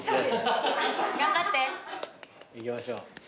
いきましょう。